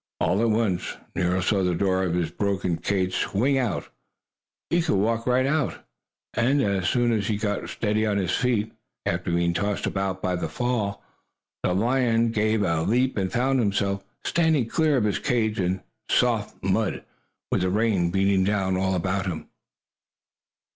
All at once Nero saw the door of his broken cage swing open. He could walk right out, and, as soon as he got steady on his feet, after being tossed about by the fall, the lion gave a leap and found himself standing clear of his cage in the soft mud, with the rain beating down all about him.